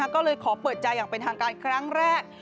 ก็เลยขอเปิดใจอย่างเป็นทางการครั้งแรก